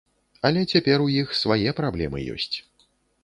Але цяпер у іх свае праблемы ёсць.